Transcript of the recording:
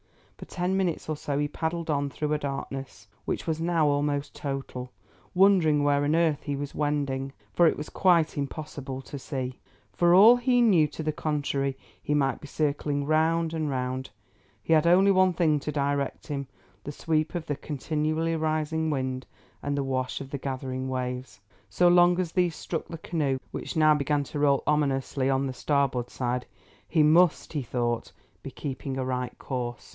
For ten minutes or so he paddled on through a darkness which was now almost total, wondering where on earth he was wending, for it was quite impossible to see. For all he knew to the contrary, he might be circling round and round. He had only one thing to direct him, the sweep of the continually rising wind and the wash of the gathering waves. So long as these struck the canoe, which now began to roll ominously, on the starboard side, he must, he thought, be keeping a right course.